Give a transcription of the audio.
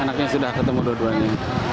anaknya sudah ketemu dua duanya